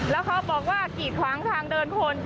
แล้วเขาบอกว่ากีดขวางทางเดินคน